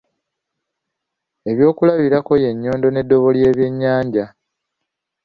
Ebyokulabirako ye nnyondo n' eddobo ly'ebyenyanja